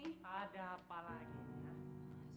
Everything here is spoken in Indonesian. don mer segala nyoba ini ban ini